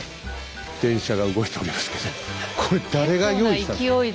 電車が動いておりますけどこれ誰が用意したの？